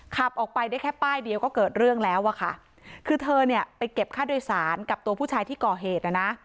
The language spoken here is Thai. ขับออกไปได้แค่ป้ายเดียวก็เกิดเรื่องแล้วอะค่ะคือเธอเนี่ยไปเก็บค่าโดยสารกับตัวผู้ชายที่ก่อเหตุนะนะ